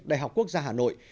đại học quốc gia hà nội